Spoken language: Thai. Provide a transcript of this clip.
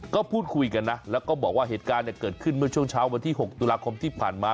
ก็พูดคุยกันนะแล้วก็บอกว่าเหตุการณ์เกิดขึ้นเมื่อช่วงเช้าวันที่๖ตุลาคมที่ผ่านมา